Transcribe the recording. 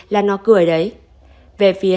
là nó cười đấy về phía